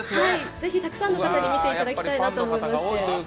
ぜひたくさんの方に見ていただきたいなと思いまして。